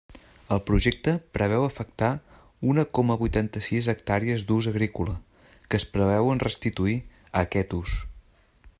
El Projecte preveu afectar una coma vuitanta-sis hectàrees d'ús agrícola, que es preveuen restituir a aquest ús.